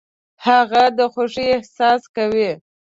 هغه د خوښۍ احساس کوي .